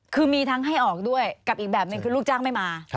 คือมีทั้งให้ออกด้วยกับอีกแบบหนึ่งคือลูกจ้างไม่มา